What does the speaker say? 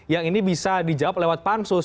yang ini bisa dijawab lewat pansus